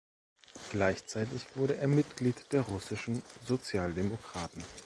Gleichzeitig wurde er Mitglied der russischen Sozialdemokraten.